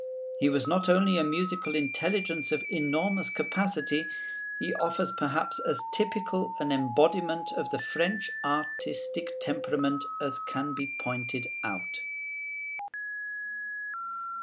He was not only a musical intelligence of enormous capacity: he offers perhaps as typical an embodiment of the French artistic temperament as can be pointed out.